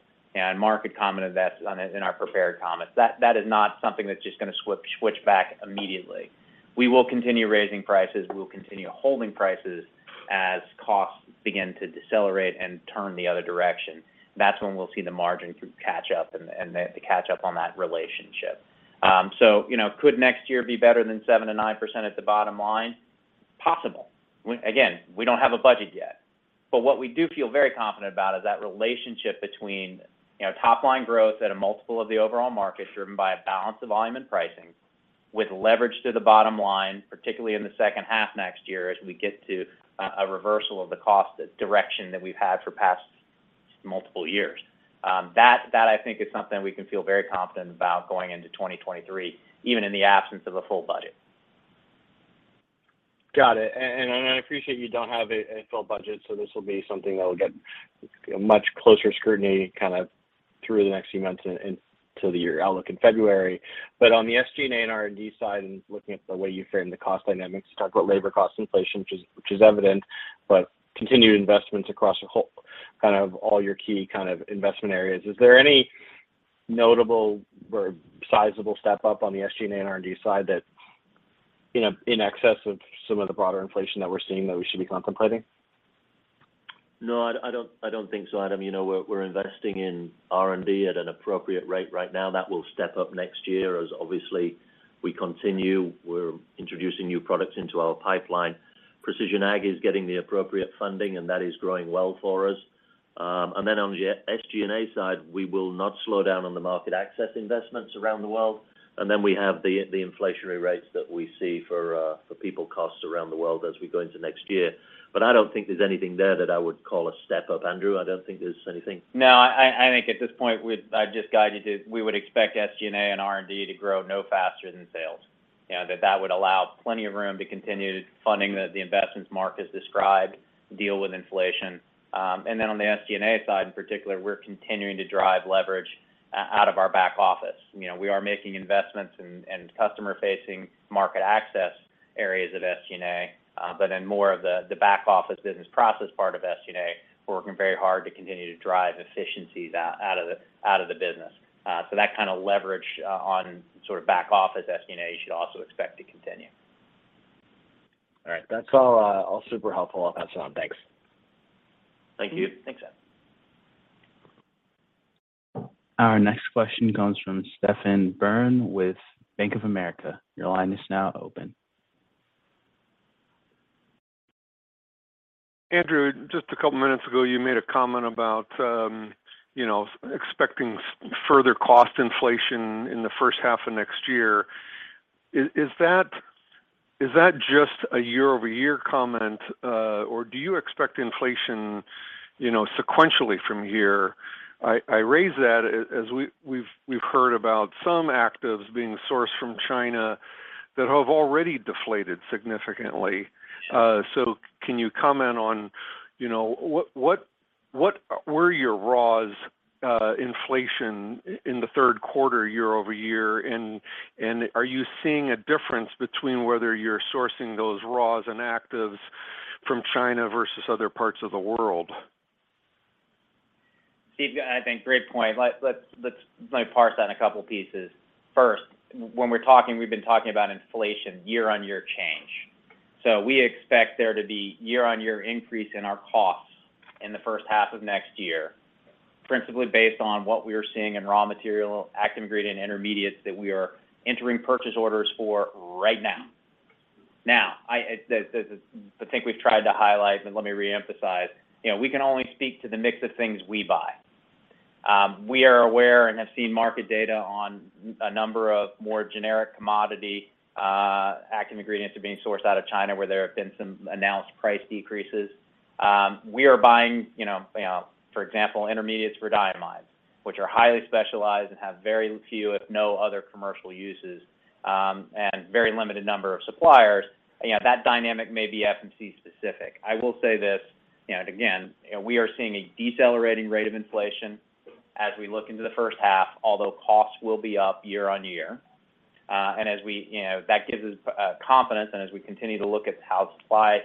Speaker 4: Mark had commented that in our prepared comments. That is not something that's just gonna switch back immediately. We will continue raising prices, we will continue holding prices as costs begin to decelerate and turn the other direction. That's when we'll see the margin growth catch up to catch up on that relationship. You know, could next year be better than 7%-9% at the bottom line? Possible. Again, we don't have a budget yet, but what we do feel very confident about is that relationship between, you know, top line growth at a multiple of the overall market driven by a balance of volume and pricing with leverage to the bottom line, particularly in the second half next year as we get to a reversal of the cost direction that we've had for the past multiple years. That I think is something we can feel very confident about going into 2023, even in the absence of a full budget.
Speaker 10: Got it. I appreciate you don't have a full budget, so this will be something that will get much closer scrutiny kind of through the next few months until your outlook in February. On the SG&A and R&D side, and looking at the way you frame the cost dynamics, you talk about labor cost inflation, which is evident, but continued investments across a whole kind of all your key kind of investment areas. Is there any notable or sizable step up on the SG&A and R&D side that, you know, in excess of some of the broader inflation that we're seeing that we should be contemplating?
Speaker 3: No, I don't think so, Adam. You know, we're investing in R&D at an appropriate rate right now. That will step up next year as, obviously, we continue. We're introducing new products into our pipeline. Precision Agriculture is getting the appropriate funding, and that is growing well for us. Then on the SG&A side, we will not slow down on the market access investments around the world. Then we have the inflationary rates that we see for people costs around the world as we go into next year. I don't think there's anything there that I would call a step up. Andrew, I don't think there's anything.
Speaker 4: No, I think at this point, I'd just guide you to, we would expect SG&A and R&D to grow no faster than sales. You know, that would allow plenty of room to continue funding the investments Mark has described to deal with inflation. On the SG&A side in particular, we're continuing to drive leverage out of our back office. You know, we are making investments in customer-facing market access areas of SG&A, but in more of the back office business process part of SG&A, we're working very hard to continue to drive efficiencies out of the business. So that kind of leverage on sort of back office SG&A, you should also expect to continue.
Speaker 10: All right. That's all super helpful. I'll pass it on. Thanks.
Speaker 3: Thank you.
Speaker 4: Thanks, Adam.
Speaker 1: Our next question comes from Steve Byrne with Bank of America. Your line is now open.
Speaker 11: Andrew, just a couple of minutes ago, you made a comment about expecting further cost inflation in the first half of next year. Is that just a year-over-year comment, or do you expect inflation sequentially from here? I raise that as we've heard about some actives being sourced from China that have already deflated significantly. So can you comment on what were your raws inflation in the third quarter year-over-year, and are you seeing a difference between whether you're sourcing those raws and actives from China versus other parts of the world?
Speaker 4: Steve, I think great point. Let's parse that in a couple of pieces. First, when we're talking, we've been talking about inflation year-on-year change. We expect there to be year-on-year increase in our costs in the first half of next year, principally based on what we are seeing in raw material, active ingredient, intermediates that we are entering purchase orders for right now. Now, the thing we've tried to highlight, and let me reemphasize, you know, we can only speak to the mix of things we buy. We are aware and have seen market data on a number of more generic commodity active ingredients are being sourced out of China, where there have been some announced price decreases. We are buying, you know, for example, intermediates for diamide, which are highly specialized and have very few, if no, other commercial uses, and very limited number of suppliers. You know, that dynamic may be FMC specific. I will say this, you know, and again, you know, we are seeing a decelerating rate of inflation as we look into the first half, although costs will be up year-on-year. That gives us confidence and as we continue to look at how supply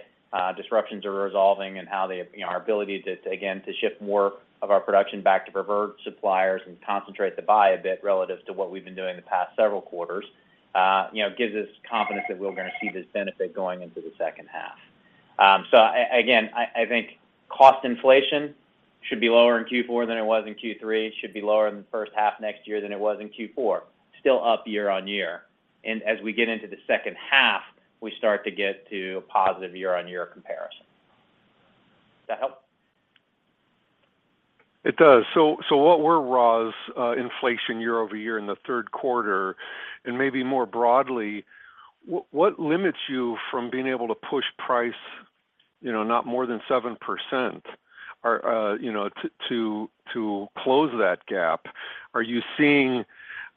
Speaker 4: disruptions are resolving and how they, you know, our ability to, again, to shift more of our production back to preferred suppliers and concentrate the buy a bit relative to what we've been doing the past several quarters, you know, gives us confidence that we're gonna see this benefit going into the second half. Again, I think cost inflation should be lower in Q4 than it was in Q3, should be lower in the first half next year than it was in Q4. Still up year-on-year. As we get into the second half, we start to get to a positive year-on-year comparison. That help?
Speaker 11: It does. What were raws inflation year-over-year in the third quarter? Maybe more broadly, what limits you from being able to push price, you know, not more than 7% or, you know, to close that gap? Are you seeing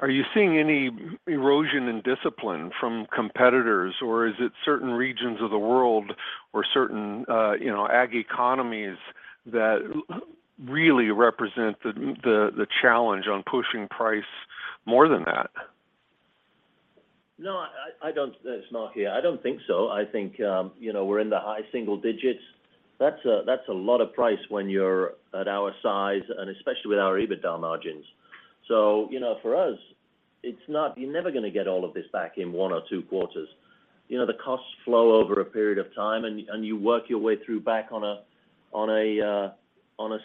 Speaker 11: any erosion in discipline from competitors, or is it certain regions of the world or certain, you know, ag economies that really represent the challenge on pushing price more than that?
Speaker 3: No, I don't. It's Mark here. I don't think so. I think, you know, we're in the high single digits. That's a lot of price when you're at our size and especially with our EBITDA margins. You know, for us, it's not. You're never gonna get all of this back in one or two quarters. You know, the costs flow over a period of time and you work your way through back on a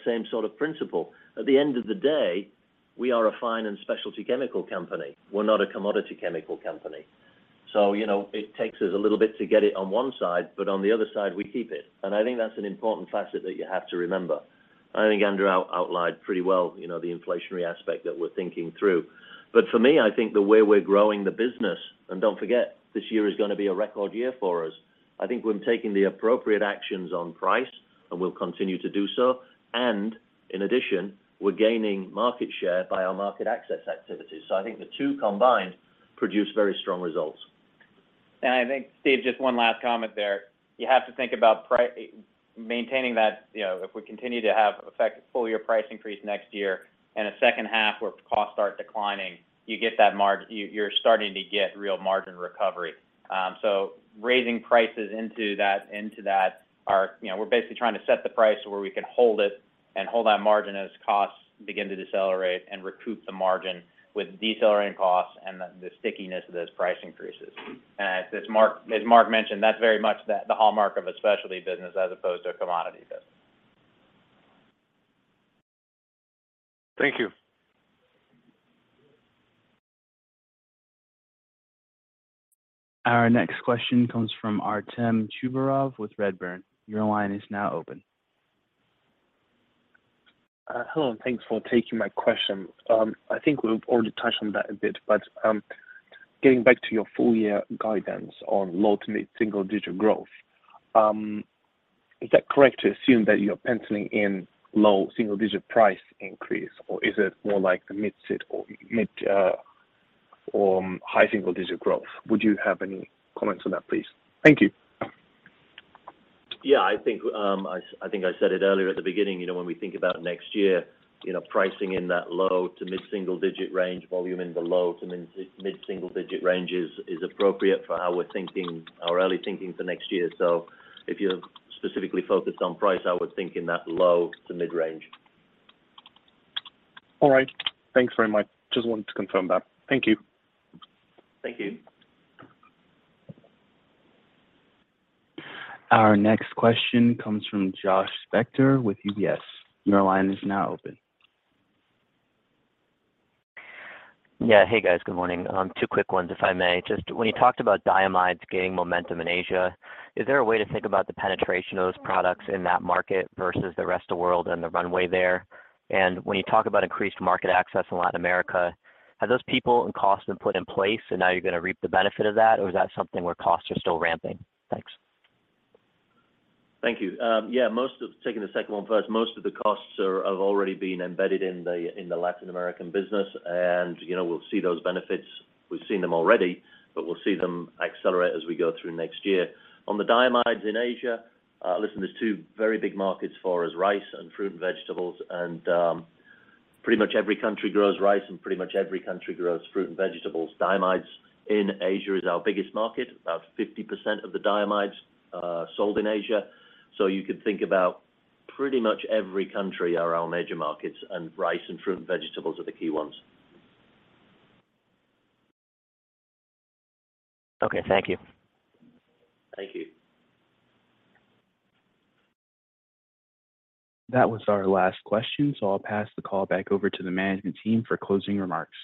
Speaker 3: same sort of principle. At the end of the day, we are a fine and specialty chemical company. We're not a commodity chemical company. You know, it takes us a little bit to get it on one side, but on the other side, we keep it. I think that's an important facet that you have to remember. I think Andrew outlined pretty well, you know, the inflationary aspect that we're thinking through. For me, I think the way we're growing the business, and don't forget, this year is gonna be a record year for us. I think we're taking the appropriate actions on price, and we'll continue to do so. In addition, we're gaining market share by our market access activities. I think the two combined produce very strong results.
Speaker 4: I think, Steve, just one last comment there. You have to think about maintaining that, you know, if we continue to have full year price increase next year and a second half where costs start declining, you get that, you're starting to get real margin recovery. So raising prices into that, you know, we're basically trying to set the price to where we can hold it and hold that margin as costs begin to decelerate and recoup the margin with decelerating costs and the stickiness of those price increases. As Mark mentioned, that's very much the hallmark of a specialty business as opposed to a commodity business.
Speaker 11: Thank you.
Speaker 1: Our next question comes from Artem Chubarov with Redburn. Your line is now open.
Speaker 12: Hello, and thanks for taking my question. I think we've already touched on that a bit, but getting back to your full-year guidance on low- to mid-single-digit growth, is that correct to assume that you're penciling in low-single-digit price increase, or is it more like the mid or high-single-digit growth? Would you have any comments on that, please? Thank you.
Speaker 3: Yeah. I think I said it earlier at the beginning, you know, when we think about next year, you know, pricing in that low to mid-single digit range, volume in the low to mid-single digit range is appropriate for how we're thinking, our early thinking for next year. So if you're specifically focused on price, I would think in that low to mid-range.
Speaker 12: All right. Thanks very much. Just wanted to confirm that. Thank you.
Speaker 3: Thank you.
Speaker 1: Our next question comes from Josh Spector with UBS. Your line is now open.
Speaker 13: Yeah. Hey, guys. Good morning. Two quick ones, if I may. Just when you talked about diamides gaining momentum in Asia, is there a way to think about the penetration of those products in that market versus the rest of world and the runway there? When you talk about increased market access in Latin America, have those people and costs been put in place and now you're gonna reap the benefit of that, or is that something where costs are still ramping? Thanks.
Speaker 3: Thank you. Yeah, taking the second one first, most of the costs have already been embedded in the Latin American business. You know, we'll see those benefits. We've seen them already, but we'll see them accelerate as we go through next year. On the diamides in Asia, listen, there's two very big markets as far as rice and fruit and vegetables, and pretty much every country grows rice, and pretty much every country grows fruit and vegetables. Diamides in Asia is our biggest market. About 50% of the diamides sold in Asia. So you could think about pretty much every country are our major markets, and rice and fruit and vegetables are the key ones.
Speaker 13: Okay, thank you.
Speaker 3: Thank you.
Speaker 1: That was our last question, so I'll pass the call back over to the management team for closing remarks.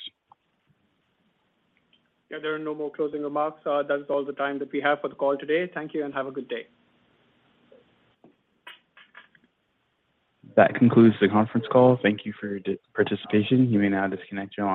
Speaker 2: Yeah, there are no more closing remarks. That is all the time that we have for the call today. Thank you, and have a good day.
Speaker 1: That concludes the conference call. Thank you for participation. You may now disconnect your line.